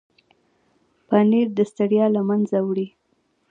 پنېر د ستړیا له منځه وړي.